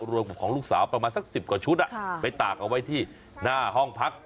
รวมกับของลูกสาวประมาณสัก๑๐กว่าชุดไปตากเอาไว้ที่หน้าห้องพัก